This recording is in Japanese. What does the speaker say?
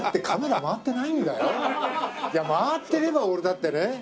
いや回ってれば俺だってね。